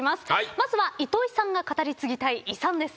まずは糸井さんが語り継ぎたい遺産です。